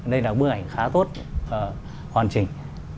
đây là bức ảnh khá tốt hoàn trình